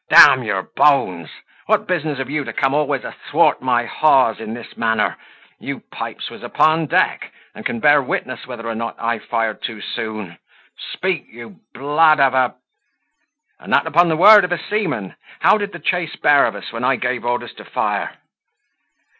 D your bones! what business have you to come always athwart my hawse in this manner? You, Pipes, was upon deck, and can bear witness whether or not I fired too soon. Speak, you blood of a , and that upon the word of a seaman: how did the chase bear of us when I gave orders to fire?"